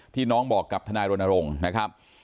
น้องบอกกับทนายรณรงค์นะครับ